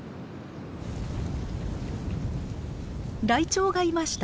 ライチョウがいました。